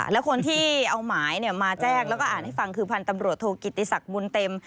แล้วคนที่เอาหมายมาแจ้งแล้วก็อ่านให้ฟังคือพันธ์ตำรวจโทกิติศักดิ์บุญเต็ม